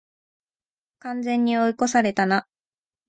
完全に追い越されたな